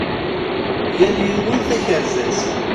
Yal yiwen takerza-s.